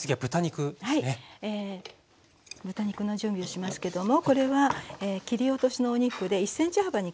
豚肉の準備をしますけどもこれは切り落としのお肉で１ｃｍ幅に切りました。